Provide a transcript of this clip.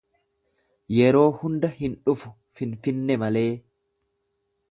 Yeroo hunda hin dhufu Finfinne malee.